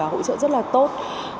hỗ trợ rất là tốt